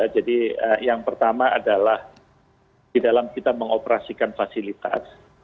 yang pertama adalah di dalam kita mengoperasikan fasilitas